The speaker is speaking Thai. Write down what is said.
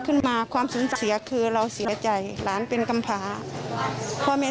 ความสูญเสียคือเราเสียใจหลานเป็นกำพาพ่อแม่